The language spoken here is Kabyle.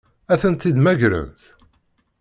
Ad tent-id-mmagrent?